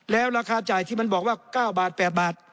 แล้วราคาจ่ายที่มันบอกว่า๙บาท๘บาท